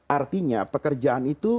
artinya pekerjaan itu